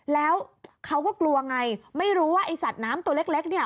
แล้วเขาก็กลัวไงไม่รู้ว่าไอ้สัตว์น้ำตัวเล็กเนี่ย